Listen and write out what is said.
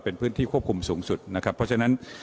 เป็นพื้นที่ควบคุมสูงสุดนะครับเพราะฉะนั้น